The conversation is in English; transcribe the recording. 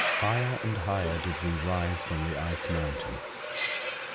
HIGHER and higher did we rise from the Ice Mountain.